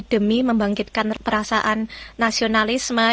demi membangkitkan perasaan nasionalisme